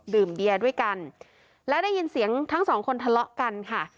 ดื่มเบียร์ด้วยกันและได้ยินเสียงทั้งสองคนทะเลาะกันค่ะ